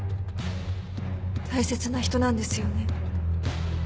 大切な人なんですよね？